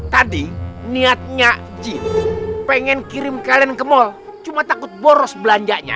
tadi niatnya jin pengen kirim kalian ke mall cuma takut boros belanjanya